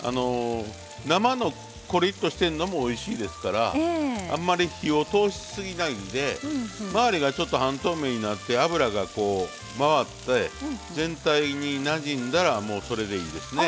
生のコリッとしてるのもおいしいですからあんまり火を通しすぎないであんまり火を通しすぎないで周りが半透明になって油がまわって全体になじんだらもうそれでいいですね。